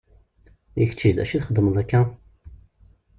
I kečči d acu i txeddmeḍ akka?